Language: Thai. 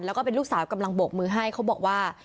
แล้วก็เป็นลูกสาวกำลังโบกมือให้เขาบอกว่า